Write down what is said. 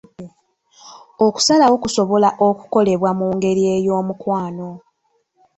Okusalawo kusobola okukolebwa mu ngeri ey'omukwano.